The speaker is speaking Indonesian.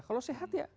kalau sehat ya